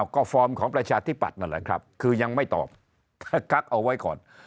ก็ฟอร์มของประชาธิปัตย์นั่นแหละครับคือยังไม่ตอบกักเอาไว้ก่อน